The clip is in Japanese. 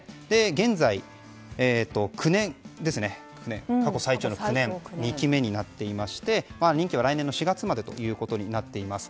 現在、過去最長の９年２期目になっていまして任期は来年の４月までとなっています。